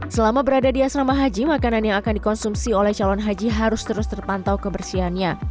selama berada di asrama haji makanan yang akan dikonsumsi oleh calon haji harus terus terpantau kebersihannya